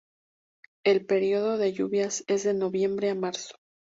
El período de lluvias es de noviembre a marzo.